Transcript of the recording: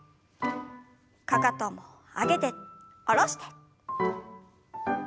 かかとも上げて下ろして。